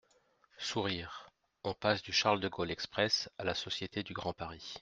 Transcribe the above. (Sourires.) On passe du Charles-de-Gaulle Express à la Société du Grand Paris.